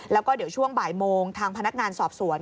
แล้วก็เดี๋ยวช่วงบ่ายโมงทางพนักงานสอบสวน